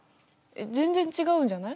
全然違うんじゃない？